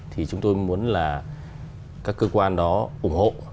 thì chúng tôi muốn là các cơ quan đó ủng hộ